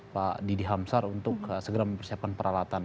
pak didi hamsar untuk segera mempersiapkan peralatan